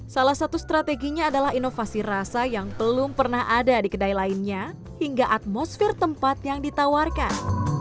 salah satu strateginya adalah inovasi rasa yang belum pernah ada di kedai lainnya hingga atmosfer tempat yang ditawarkan